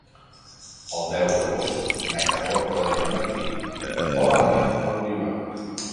El deu d'agost na Carlota i en Martí volen anar a Oliva.